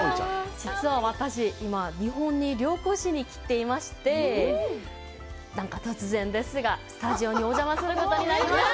実は私、今、日本に旅行しに来ていまして、何か突然ですが、スタジオにお邪魔することになりました。